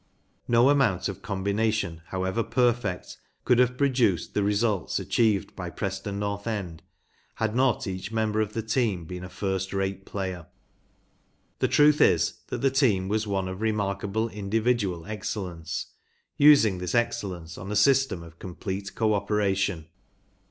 No amount of com¬ bination, however perfect, could have pro¬ duced the results achieved by Preston North End had not each member of the team been a first rate player. The truth is that the team was one of remarkable individual excel¬ lence, using this excellence on a system of complete co operation.